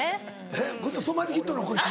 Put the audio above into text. えっこいつ染まりきっとるこいつ。